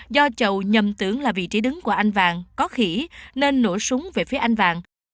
do chậu nhầm tưởng là vị trí đứng của anh vàng có khỉ nên nổ súng về phía anh vàng